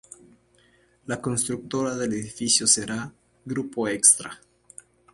La constructora del edificio será "'Grupo Xtra".